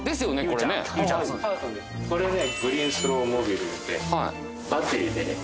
これねグリーンスローモビリティいうてバッテリーでね